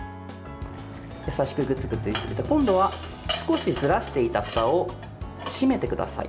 優しくグツグツして今度は少しずらしていたふたを閉めてください。